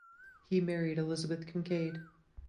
He married Elizabeth Kincaid.